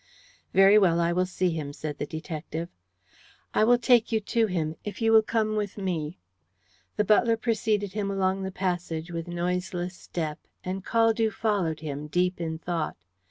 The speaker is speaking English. "Very well, I will see him," said the detective. "I will take you to him, if you will come with me." The butler preceded him along the passage with noiseless step, and Caldew followed him, deep in thought.